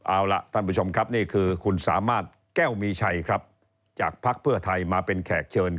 เอาล่ะท่านผู้ชมครับนี่คือคุณสามารถแก้วมีชัยครับจากภักดิ์เพื่อไทยมาเป็นแขกเชิญ